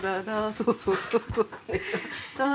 そうそうそうそう。